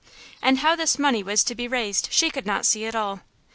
And how this money was to be raised she could not see at all.